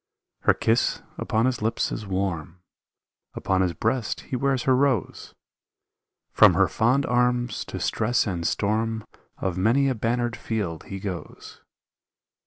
Her kiss upon his lips is warm, Upon his breast he wears her rose. From her fond arms to stress and storm Of many a bannered field he goes.